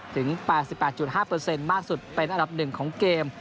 ถึง๘๘๕มากสุดเป็นอันดับ๑ของเกม